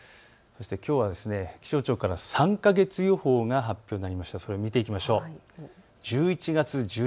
きょうは気象庁から３か月予報が発表になりましたので見てみましょう。